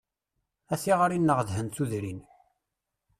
A tiɣri-nneɣ dhen tudrin.